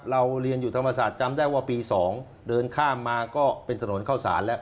เรียนอยู่ธรรมศาสตร์จำได้ว่าปี๒เดินข้ามมาก็เป็นถนนเข้าสารแล้ว